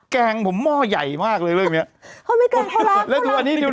แกล้งผมหม้อใหญ่มากเลยเรื่องเนี้ยเพราะไม่เกาะเราเราแล้วอยู่ดูดู